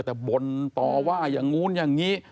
แต่บ่นต่อว่าอย่างนู้นอย่างนี้